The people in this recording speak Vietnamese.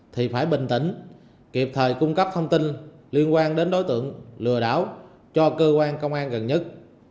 thì phải bình tĩnh kịp thời cung cấp thông tin liên quan đến đối tượng lừa đảo cho cơ quan công an gần nhất